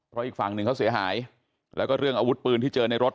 เพราะอีกฝั่งหนึ่งเขาเสียหายแล้วก็เรื่องอาวุธปืนที่เจอในรถ